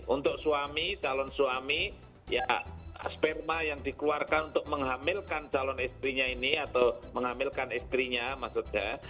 untuk suami calon suami ya sperma yang dikeluarkan untuk menghamilkan calon istrinya ini atau menghamilkan istrinya maksudnya